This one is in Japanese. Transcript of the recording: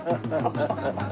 ハハハハ。